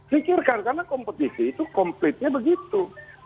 pikirkan karena kompetisi itu komplitnya begitu